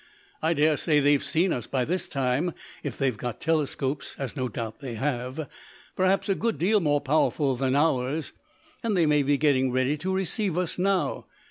I daresay they've seen us by this time if they've got telescopes, as no doubt they have, perhaps a good deal more powerful than ours, and they may be getting ready to receive us now.